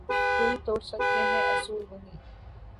دل توڑ سکتے ہیں اصول نہیں